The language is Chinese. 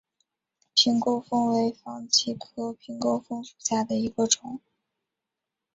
秤钩风为防己科秤钩风属下的一个种。